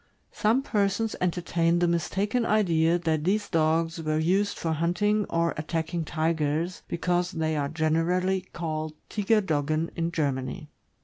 Some persons entertain the mistaken idea that these dogs were used for hunting or attacking tigers, because they are generally called Tiger doggen in Germany.